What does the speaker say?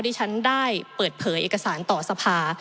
ที่ฉันได้เปิดเผยเอกสารต่อสภา